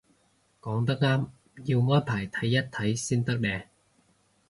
講得啱，要安排睇一睇先得嘞